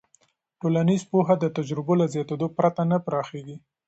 ټولنیز پوهه د تجربو له زیاتېدو پرته نه پراخېږي.